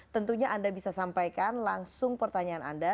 tentunya anda bisa sampaikan langsung pertanyaan anda